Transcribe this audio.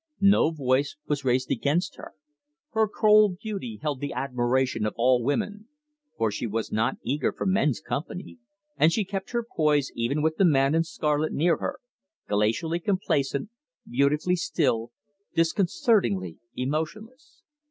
No voice was raised against her. Her cold beauty held the admiration of all women, for she was not eager for men's company, and she kept her poise even with the man in scarlet near her, glacially complacent, beautifully still, disconcertingly emotionless.